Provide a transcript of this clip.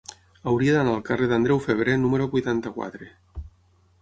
Hauria d'anar al carrer d'Andreu Febrer número vuitanta-quatre.